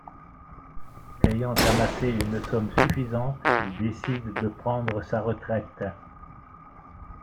Ayant amassé une somme suffisante, il décide de prendre sa retraite.